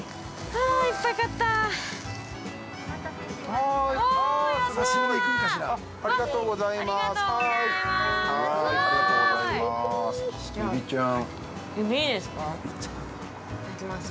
ありがとうございます。